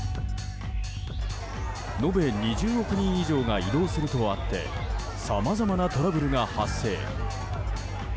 延べ２０億人以上が移動するとあってさまざまなトラブルが発生。